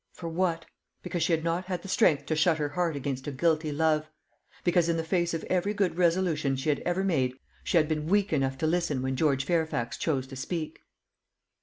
For what? Because she had not had the strength to shut her heart against a guilty love; because, in the face of every good resolution she had ever made, she had been weak enough to listen when George Fairfax chose to speak.